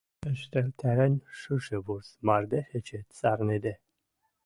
ӹштӹлтӓрен шушы вурс мардеж эче цӓрнӹде.